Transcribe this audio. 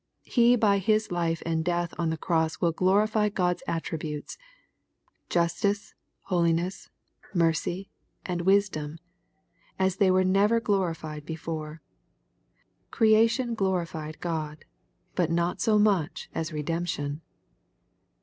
He by His life and death on the cross will glorify God's attri butes, — justice, holiness, mercy, and wisdom, — as they never were glorified before. Creation glorified God, but not so much as redemption.